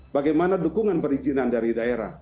bagaimana dukungan perizinan dari daerah